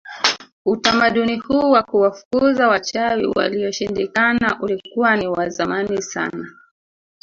Utamaduni huu wa kuwafukuza wachawi walioshindikana ulikuwa ni wa zamani sana